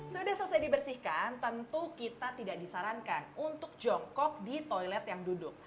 sudah selesai dibersihkan tentu kita tidak disarankan untuk jongkok di toilet yang duduk